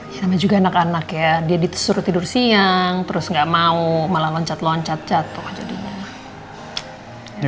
ya sama juga anak anak ya dia disuruh tidur siang terus nggak mau malah loncat loncat jatuh